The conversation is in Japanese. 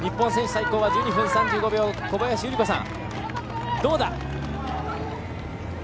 最高は１２分３５秒小林祐梨子さん。